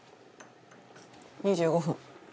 ２５分。